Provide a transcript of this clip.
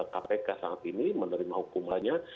kpk saat ini menerima hukumannya